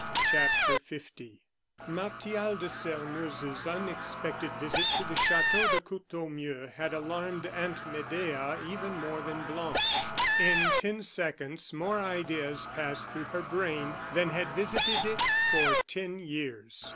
CHAPTER L Martial de Sairmeuse's unexpected visit to the Chateau de Courtornieu had alarmed Aunt Medea even more than Blanche. In ten seconds, more ideas passed through her brain than had visited it for ten years.